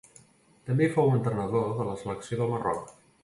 També fou entrenador de la selecció del Marroc.